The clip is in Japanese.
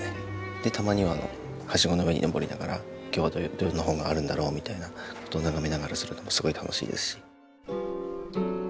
でたまにははしごの上に上りながら今日はどういう本があるんだろうみたいな事を眺めながらするのもすごい楽しいですし。